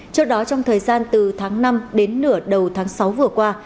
trước đó trong thời gian từ tháng năm đến nửa đầu tháng sáu vừa qua